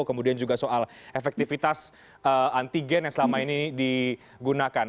kemudian juga soal efektivitas antigen yang selama ini digunakan